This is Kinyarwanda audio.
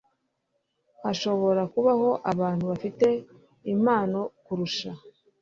Hashobora kubaho abantu bafite impano kukurusha,